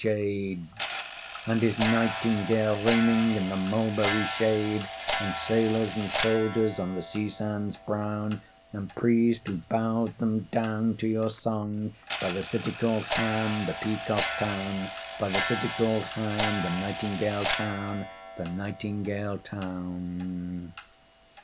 jade, And his nightingale reigning in the mulberry shade, And sailors and soldiers on the sea sands brown, And priests who bowed them down to your song By the city called Han, the peacock town, By the city called Han, the nightingale town, The nightingale town."